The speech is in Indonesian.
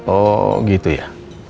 oh gitu ya